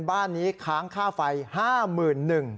บ้านนี้ค้างค่าไฟ๕หมื่นหนึ่ง